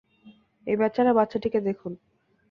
এই বেচারা বাচ্চাটিকে দেখুন!